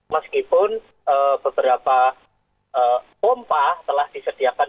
meskipun beberapa pompa telah disediakan